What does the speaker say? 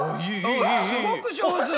すごく上手。